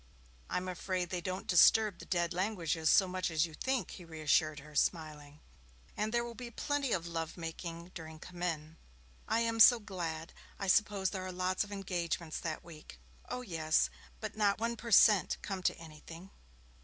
'I'm afraid they don't disturb the dead languages so much as you think,' he reassured her, smiling. 'And there will be plenty of love making during Commem.' 'I am so glad. I suppose there are lots of engagements that week.' 'Oh, yes but not one per cent come to anything.'